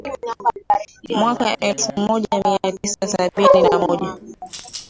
Mwaka elfu moja mia tisa sabini na moja